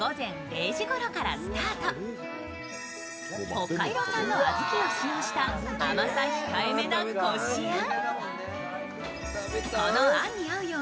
北海道産の小豆を使用した甘さ控えめなこしん。